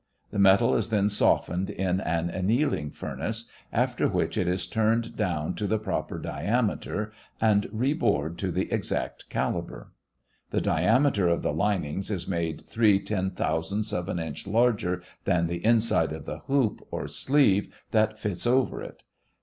The metal is then softened in an annealing furnace, after which it is turned down to the proper diameter and re bored to the exact caliber. The diameter of the lining is made three ten thousandths of an inch larger than the inside of the hoop or sleeve that fits over it.